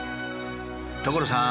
所さん！